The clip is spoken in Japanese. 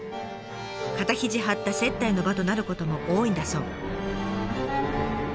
肩肘張った接待の場となることも多いんだそう。